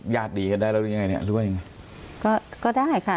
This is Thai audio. ดีกันได้แล้วหรือยังไงเนี่ยหรือว่ายังไงก็ก็ได้ค่ะ